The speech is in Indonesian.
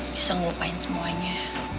bisa ngelupain semuanya